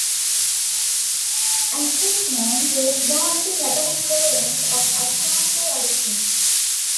Acheampong was born to Catholic parents of Ashanti origin.